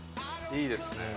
いいですね。